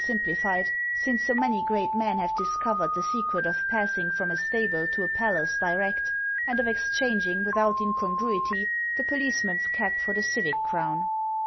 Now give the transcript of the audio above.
simplified, since so many great men have discovered the secret of passing from a stable to a palace direct, and of exchanging without incongruity the policeman's cap for the civic crown.